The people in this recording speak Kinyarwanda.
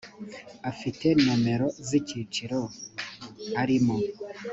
afite nomero z’icyiciro arimo